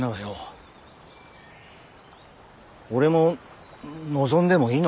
俺も望んでもいいのかね？